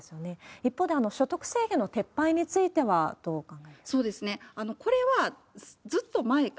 一方で、所得制限の撤廃については、どうお考えですか？